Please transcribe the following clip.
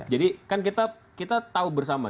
jadi kan kita tahu bersama